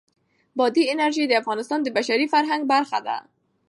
بادي انرژي د افغانستان د بشري فرهنګ برخه ده.